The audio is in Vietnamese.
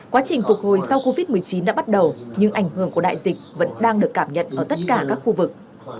quá trình phục hồi sau covid một mươi chín đã bắt đầu nhưng ảnh hưởng của đại dịch vẫn đang được cảm nhận ở tất cả các khu vực